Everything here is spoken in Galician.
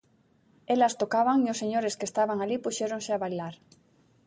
Elas tocaban e os señores que estaban alí puxéronse a bailar.